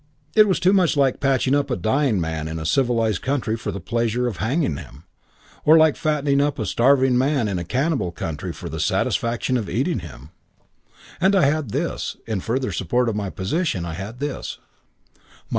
It was too much like patching up a dying man in a civilised country for the pleasure of hanging him, or like fatting up a starving man in a cannibal country for the satisfaction of eating him. "And I had this. In further support of my position I had this.